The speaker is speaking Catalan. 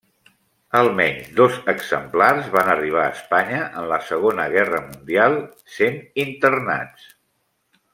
Almenys dos exemplars van arribar a Espanya en la Segona Guerra Mundial, sent internats.